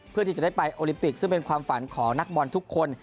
เพื่อที่จะได้ไปโอลิมปิกซึ่งเป็นความฝันของนักบอลทุกคน